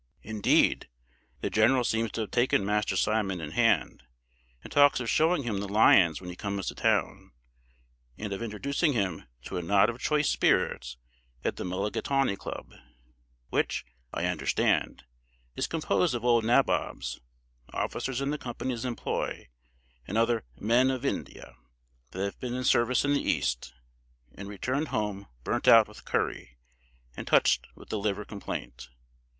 Indeed, the general seems to have taken Master Simon in hand, and talks of showing him the lions when he comes to town, and of introducing him to a knot of choice spirits at the Mulligatawney Club; which, I understand, is composed of old nabobs, officers in the Company's employ, and other "men of Ind," that have seen service in the East, and returned home burnt out with curry and touched with the liver complaint.